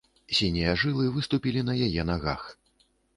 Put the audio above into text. Сінія жылы выступілі на яе нагах.